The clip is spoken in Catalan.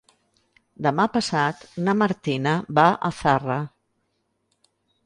Demà passat na Martina va a Zarra.